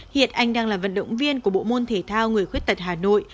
hiện anh đang là vận động viên của bộ môn thể thao người khuyết tật hà nội